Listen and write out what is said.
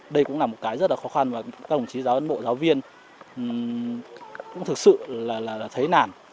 đây cũng là một cái rất là khó khăn và các đồng chí giáo ân bộ giáo viên cũng thực sự là thấy nản